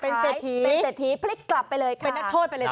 เป็นเศรษฐีพลิกกลับไปเลยค่ะ